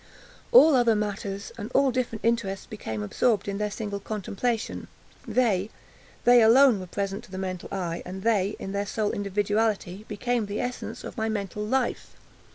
All other matters and all different interests became absorbed in their single contemplation. They—they alone were present to the mental eye, and they, in their sole individuality, became the essence of my mental life.